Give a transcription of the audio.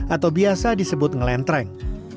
atau biasa disebut ngelentreng